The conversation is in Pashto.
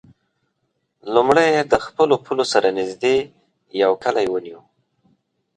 لومړی یې د خپلو پولو سره نژدې یو کلی ونیو.